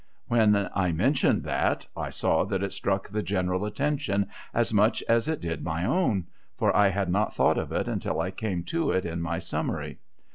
"When I mentioned that, I saw that it struck the general attention as much as it did my own, for I had not thought of it until I came to it in my summary.